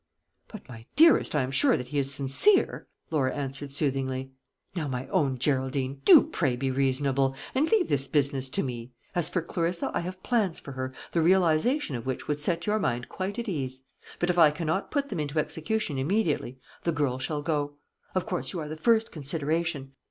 "But, my dearest, I am sure that he is sincere," Laura answered soothingly. "Now, my own Geraldine, do pray be reasonable, and leave this business to me. As for Clarissa, I have plans for her, the realization of which would set your mind quite at ease; but if I cannot put them into execution immediately, the girl shall go. Of course you are the first consideration.